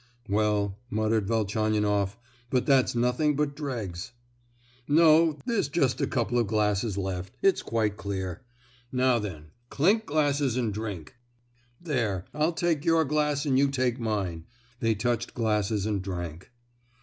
"Well," muttered Velchaninoff, "but that's nothing but dregs!" "No, there's just a couple of glasses left—it's quite clear. Now then, clink glasses and drink. There, I'll take your glass and you take mine." They touched glasses and drank.